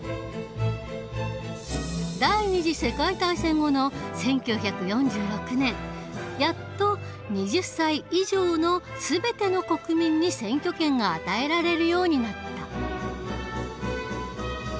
第２次世界大戦後の１９４６年やっと２０歳以上の全ての国民に選挙権が与えられるようになった。